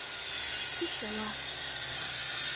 И чыла.